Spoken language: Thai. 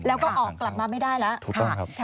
แล้วก็ออกกลับมาไม่ได้แล้ว